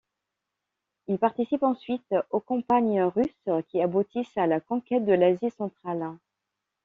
Il participe ensuite aux campagnes russes qui aboutissent à la conquête de l’Asie centrale.